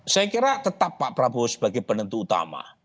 saya kira tetap pak prabowo sebagai penentu utama